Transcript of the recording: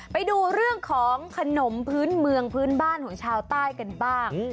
ไปดูเรื่องของขนมพื้นเมืองพื้นบ้านของชาวใต้กันบ้าง